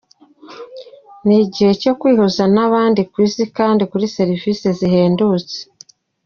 Ni igihe cyo kwihuza n’ahandi ku Isi kandi kuri serivisi zihendutse”.